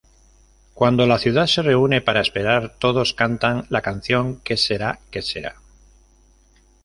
Cuando la ciudad se reúne para esperar todos cantan la canción "Que sera, sera".